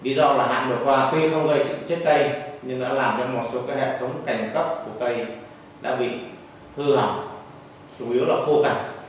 ví do là hạn vừa qua tuy không gây chất cây nhưng đã làm cho một số hệ thống cành cấp của cây đã bị hư hỏng chủ yếu là khô cành